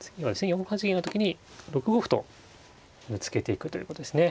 ４八銀の時に６五歩とぶつけていくということですね。